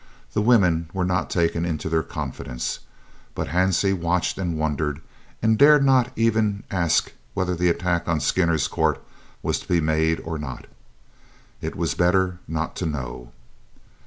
The women were not taken into their confidence, but Hansie watched and wondered, and dared not even ask whether the attack on Skinner's Court was to be made or not. It was better not to know.